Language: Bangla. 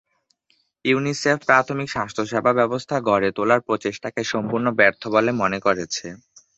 ইউনিসেফ প্রাথমিক স্বাস্থ্যসেবা ব্যবস্থা গড়ে তোলার প্রচেষ্টাকে সম্পূর্ণ ব্যর্থ বলে মনে করেছে।